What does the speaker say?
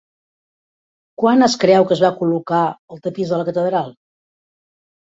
Quan es creu que es va col·locar el tapís a la catedral?